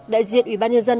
đại diện ủy ban nhân dân